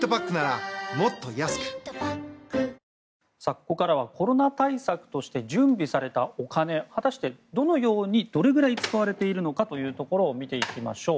ここからはコロナ対策として準備されたお金果たしてどのようにどれぐらい使われているのかというところを見ていきましょう。